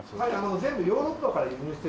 全部ヨーロッパから輸入してるメガネ。